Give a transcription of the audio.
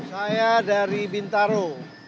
saya dari bintaro